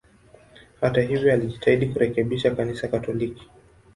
Hata hivyo, alijitahidi kurekebisha Kanisa Katoliki.